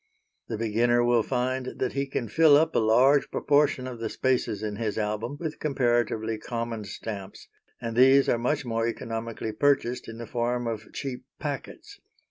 The beginner will find that he can fill up a large proportion of the spaces in his album with comparatively common stamps, and these are much more economically purchased in the form of cheap packets.